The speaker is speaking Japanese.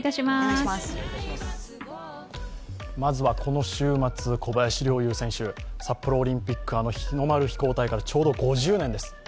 まずは、この週末、小林陵侑選手、札幌オリンピック日の丸飛行隊からちょうど５０年です。